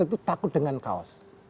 itu takut dengan kaos